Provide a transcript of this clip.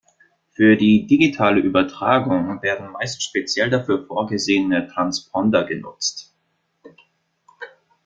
Für die digitale Übertragung werden meist speziell dafür vorgesehene Transponder genutzt.